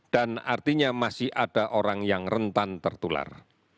dan artinya masih ada orang yang rentan tertular